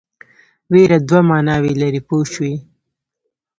وېره دوه معناوې لري پوه شوې!.